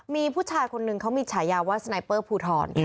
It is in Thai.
มีผู้ชายคนนึงเขามีฉายาว่าสไนเปอร์ภูทร